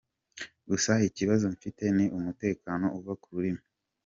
Gusa ikibazo mfite ni umutekano uva ku rurimi.